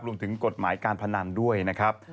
รวมถึงกฎหมายการพนันด้วยนะครับ